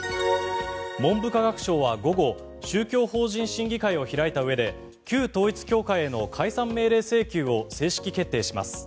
文部科学省は午後宗教法人審議会を開いたうえで旧統一教会への解散命令請求を正式決定します。